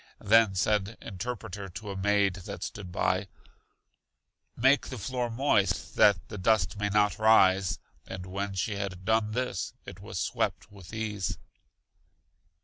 Then said Interpreter to a maid that stood by; Make the floor moist that the dust may not rise; and when she had done this, it was swept with ease.